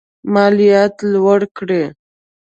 مالیات لوړ کړي.